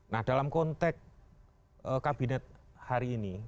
nah dalam konteks kabinet hari ini